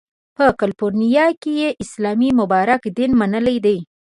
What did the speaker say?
په کالیفورنیا کې یې اسلام مبارک دین منلی دی.